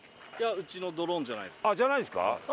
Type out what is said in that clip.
うちのドローンじゃないです。